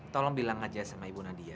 tolong bilang aja sama ibu nadia